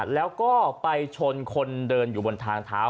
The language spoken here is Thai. แล้วก็ไปชนคนเดินอยู่บนทางเท้า